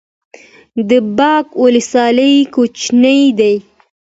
د باک ولسوالۍ کوچنۍ ده